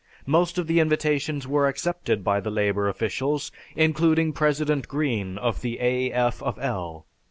Most of the invitations were accepted by the labor officials, including President Green of the A. F. of L.